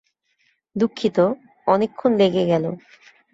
দুঃখিত, অনেকক্ষণ লেগে গেল।